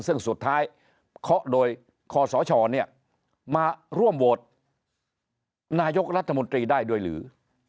ซึ่งสุดท้ายเคาะโดยคอสชมาร่วมโหวตนายกรัฐมนตรีได้ด้วยหรือ